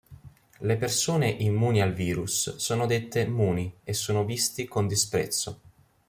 Le persone immuni al virus sono dette "Muni" e sono visti con disprezzo.